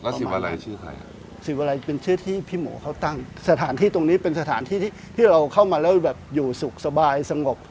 แล้วสิวาลัยชื่อใครสิวาลัยเป็นชื่อที่พี่หมอเขาตั้งสถานที่ตรงนี้เป็นสถานที่ที่เราเข้ามาแล้วอยู่สุขสบายสงบ